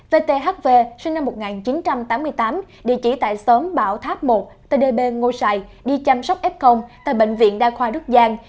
vthv sinh năm một nghìn chín trăm tám mươi tám địa chỉ tại sớm bảo tháp một tây đề bê ngô sài đi chăm sóc f tại bệnh viện đa khoa đức giang